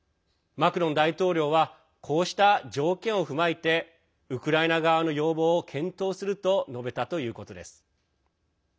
マクロン大統領はこうした条件を踏まえてウクライナ側の要望を検討すると述べたということです。